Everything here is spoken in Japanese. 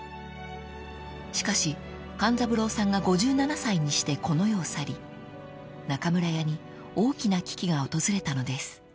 ［しかし勘三郎さんが５７歳にしてこの世を去り中村屋に大きな危機が訪れたのです］